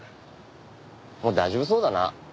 もう大丈夫そうだな。